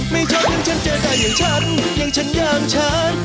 ไม่ชอบอย่างฉันเจอได้อย่างฉันอย่างฉันอย่างฉัน